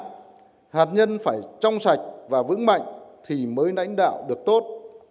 nhân dân phải trong sạch và vững mạnh thì mới lãnh đạo được tốt